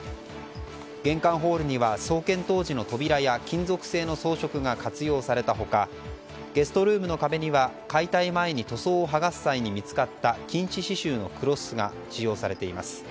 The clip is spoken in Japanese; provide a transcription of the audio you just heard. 玄関ホールには、創建当時の扉や金属製の装飾が活用された他ゲストルームの壁には解体前に塗装を剥がす際に見つかった金糸刺しゅうのクロスが使用されています。